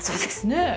ねえ。